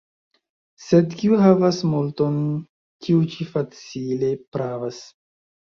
Sed kiu havas multon, tiu ĉi facile pravas.